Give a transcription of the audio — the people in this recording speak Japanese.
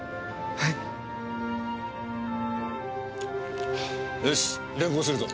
はぁよし連行するぞ。